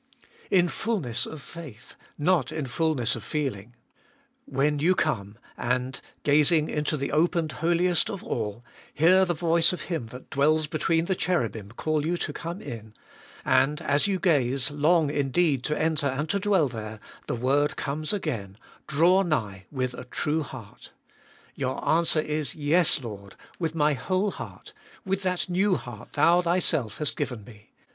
In fulness of faith, and not in fulness of feeling. When you come, and, gazing into the opened Holiest of All, hear the voice of Him that dwells between the cherubim call you to come in ; and, as you gaze, long indeed to enter and to dwell there, the word comes again, Draw nigh with a true heart ! Your answer is, Yes, Lord ; with my whole heart — with that new heart thou thyself hast given me.